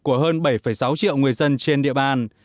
của hơn bảy sáu triệu người dân trên địa bàn